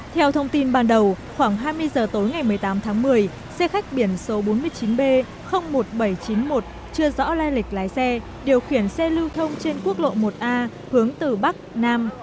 theo thông tin ban đầu khoảng hai mươi giờ tối ngày một mươi tám tháng một mươi xe khách biển số bốn mươi chín b một nghìn bảy trăm chín mươi một chưa rõ lai lịch lái xe điều khiển xe lưu thông trên quốc lộ một a hướng từ bắc nam